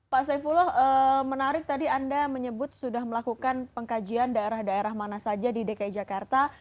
pak saifullah menarik tadi anda menyebut sudah melakukan pengkajian daerah daerah mana saja di dki jakarta